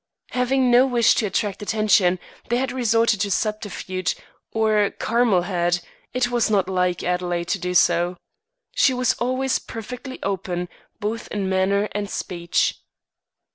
Having no wish to attract attention, they had resorted to subterfuge or Carmel had; it was not like Adelaide to do so. She was always perfectly open, both in manner and speech.